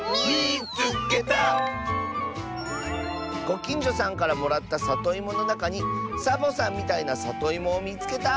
「ごきんじょさんからもらったさといものなかにサボさんみたいなさといもをみつけた！」。